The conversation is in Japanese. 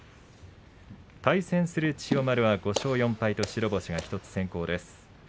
対戦する千代丸は５勝４敗と白星１つ先行です。